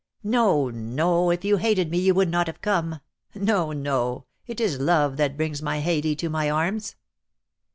"No, no, if you hated me you would not have come. No, no, it is love that brings my Haidee to my arms."